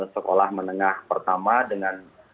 sekolah menengah pertama dengan